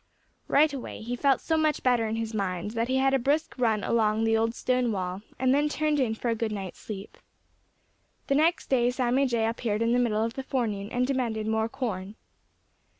Right away he felt so much better in his mind that he had a brisk run along the old stone wall and then turned in for a good night's sleep. The next day Sammy Jay appeared in the middle of the forenoon and demanded more corn.